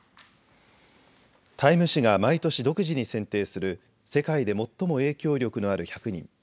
タイム誌が毎年、独自に選定する世界で最も影響力のある１００人。